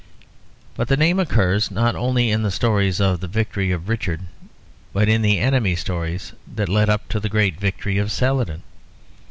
But the name occurs not only in the stories of the victory of Richard, but in the enemy stories that led up to the great victory of Saladin.